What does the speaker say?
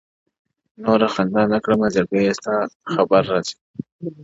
• نوره خندا نه کړم زړگيه؛ ستا خبر نه راځي؛